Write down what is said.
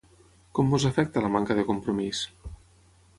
Com ens afecta la manca de compromís?